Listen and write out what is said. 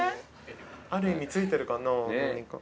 ある意味ついてるかな何か。